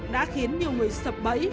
đã khiến nhiều người sập bẫy